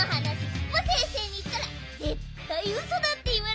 ヒポ先生にいったらぜったいウソだっていわれるね。